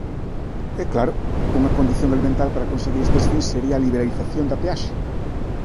E, claro, unha condición elemental para conseguir estes fins sería a liberalización da peaxe.